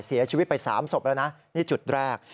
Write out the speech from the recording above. เสียชีวิตไป๓ศพแล้วนะนี่จุดแรก